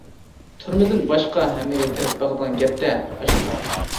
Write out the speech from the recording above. تۈرمىدىن باشقا ھەممىگە كىرىپ باقىدىغان گەپتە ئاشۇنداق.